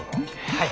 はい。